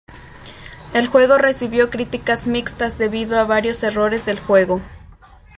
El juego recibió críticas mixtas debido a varios errores del juego.